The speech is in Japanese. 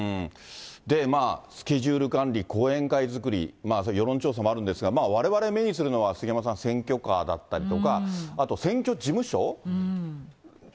スケジュール管理、後援会作り、世論調査もあるんですが、まあ、われわれ目にするのは、杉山さん、選挙カーだったり、あと選挙事務所？